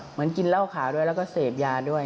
กินเหล้าขาวด้วยแล้วก็เสพยาด้วย